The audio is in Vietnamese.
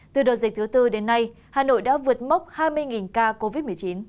từ đợt dịch thứ tư đến nay hà nội đã vượt mốc hai mươi ca covid một mươi chín